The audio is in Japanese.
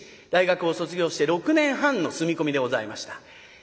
大学を卒業して６年半の住み込みでございました。